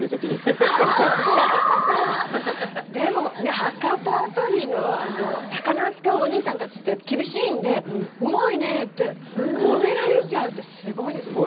でも博多辺りの魚を扱うお兄さんたちって厳しいんで、うまいねえって、褒められちゃうってすごいですね。